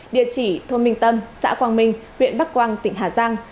địa chỉ thôn minh tâm xã quang minh huyện bắc quang tỉnh hà giang